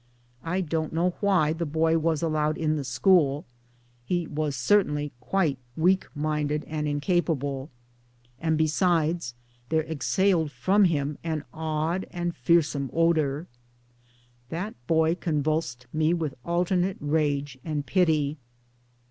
I don't know why the boy was allowed' in the school ; he was certainly quite weak minded and incapable ; and besides there exhaled from him an odd and fear some odour. That boy convulsed me with alternate rage and pity.